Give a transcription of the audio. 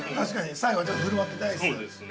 最後にちょっと振る舞ってね、アイス。